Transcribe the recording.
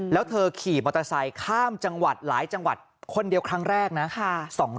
แล้วเธอขี่มอเตอร์ไซค์ข้ามจังหวัดหลายจังหวัดคนเดียวครั้งแรกนะ